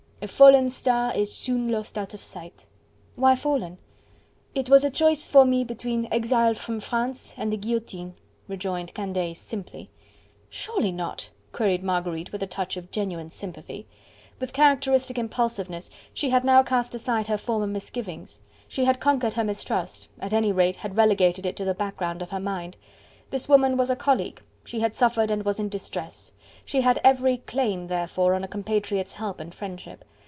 "A fallen star is soon lost out of sight." "Why fallen?" "It was a choice for me between exile from France and the guillotine," rejoined Candeille simply. "Surely not?" queried Marguerite with a touch of genuine sympathy. With characteristic impulsiveness, she had now cast aside her former misgivings: she had conquered her mistrust, at any rate had relegated it to the background of her mind. This woman was a colleague: she had suffered and was in distress; she had every claim, therefore, on a compatriot's help and friendship.